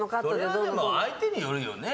それは相手によるよね